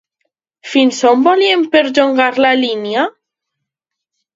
Fins on volien perllongar la línia?